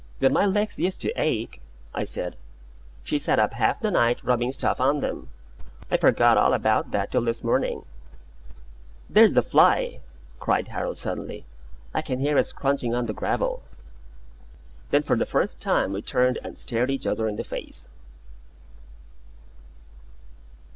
"When my legs used to ache," I said, "she sat up half the night, rubbing stuff on them. I forgot all about that till this morning." "There's the fly!" cried Harold suddenly. "I can hear it scrunching on the gravel." Then for the first time we turned and stared one another in the face.